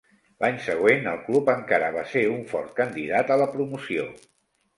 L'any següent el club encara va ser un fort candidat a la promoció.